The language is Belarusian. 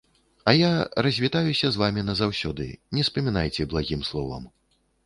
А я развітаюся з вамі назаўсёды, не спамінайце благім словам.